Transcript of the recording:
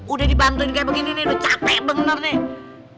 udah dibantuin kayak begini nih udah capek bener nih